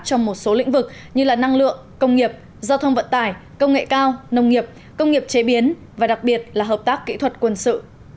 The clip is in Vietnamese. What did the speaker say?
trong một số lĩnh vực như năng lượng công nghiệp giao thông vận tải công nghệ cao nông nghiệp công nghiệp chế biến và đặc biệt là hợp tác kỹ thuật quân sự